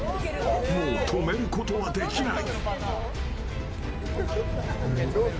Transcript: もう止めることはできない。